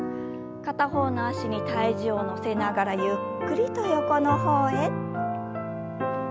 片方の脚に体重を乗せながらゆっくりと横の方へ。